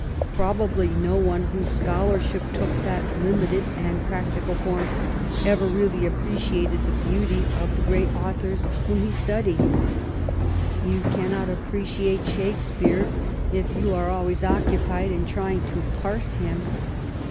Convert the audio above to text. Probably no one whose scholarship took that limited and practical form ever really appreciated the beauty of the great authors whom he studied. You cannot appreciate Shakespeare if you are always occupied in trying to parse him.